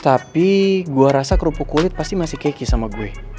tapi gue rasa kerupuk kulit pasti masih keki sama gue